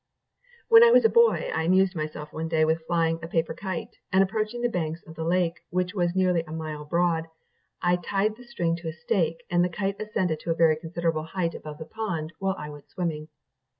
"When I was a boy, I amused myself one day with flying a paper kite; and approaching the banks of the lake, which was nearly a mile broad, I tied the string to a stake, and the kite ascended to a very considerable height above the pond, while I was swimming.